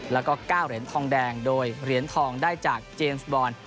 แล้วก็๙เหรียญทองแดงโดยเหรียญทองได้จากเจมส์บอล